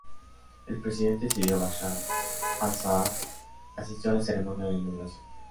El presidente sirio Bashar al-Assad asistió a la ceremonia de inauguración.